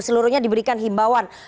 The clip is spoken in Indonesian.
seluruhnya diberikan himbauan